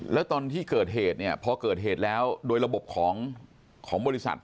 แล้วตอนที่เกิดเหตุเนี่ยพอเกิดเหตุแล้วโดยระบบของบริษัท